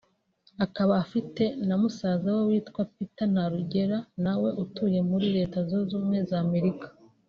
Akaba afite na musaza we witwa Peter Ntarugera nawe utuye muri Leta Zunze Ubumwe z’Amerika